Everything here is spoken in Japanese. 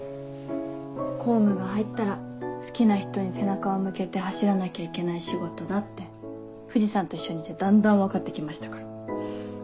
公務が入ったら好きな人に背中を向けて走らなきゃいけない仕事だって藤さんと一緒にいてだんだん分かって来ましたから。